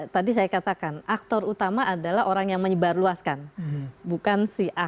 tadi saya katakan aktor utama adalah orang yang menyebarluaskan